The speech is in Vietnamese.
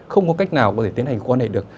không có cách nào có thể tiến hành quan hệ được